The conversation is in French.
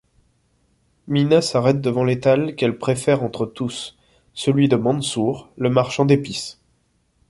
Mina s’arrête devant l’étal qu’elle préfère entre tous, celui de Mansour, le marchand d’épices.